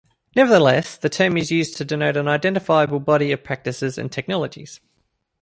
Nevertheless, the term is useful to denote an identifiable body of practices and technologies.